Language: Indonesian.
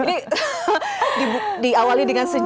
ini diawali dengan senyum